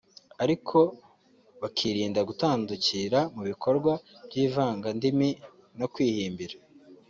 ariko bakirinda gutandukira mu bikorwa by’ivangandimi no kwihimbira